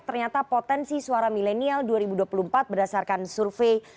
ternyata potensi suara milenial dua ribu dua puluh empat berdasarkan survei